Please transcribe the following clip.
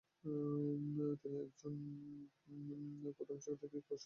তিনি একজন প্রথম শতকের গ্রিক প্রকৌশলী এবং গণিতজ্ঞ।